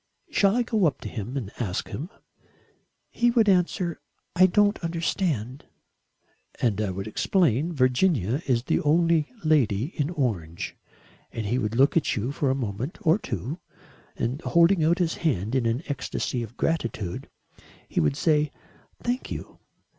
Shall I go up to him and ask him?" "He would answer: 'I don't understand.'" "And I would explain: 'Virginia is the only lady in orange,' and he would look at you for a moment or two and, holding out his hand in an ecstasy of gratitude, he would say: 'Thank you.